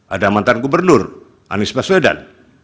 ada mantan gubernur anies baswedan